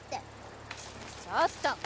ちょっと！